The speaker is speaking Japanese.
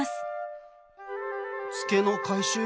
ツケの回収